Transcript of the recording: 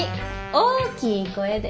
大きい声で。